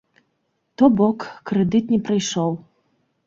То бок, крэдыт не прыйшоў.